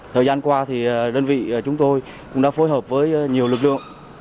thời gian qua thì đơn vị chúng tôi cũng đã phối hợp với nhiều lực lượng